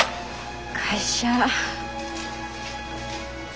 会社。